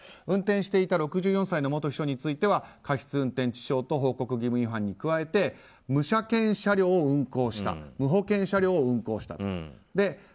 運転していた６４歳の元秘書については過失運転致傷と報告義務違反に加えて無車検車両を運行した無保険車両を運行したと。